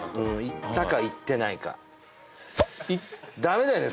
行ったか行ってないかダメだよね